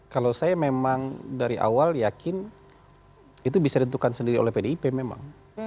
kalau saya memang dari awal yakin itu bisa ditentukan sendiri oleh pdip memang